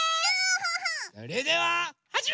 それでははじめ！